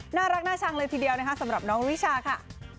หน้ารักหน้าชังเลยทีเดียวสำหรับน้องอลิชาค่ะ